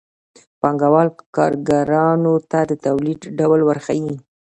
پانګوال کارګرانو ته د تولید ډول ورښيي